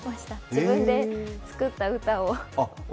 自分で作った歌を。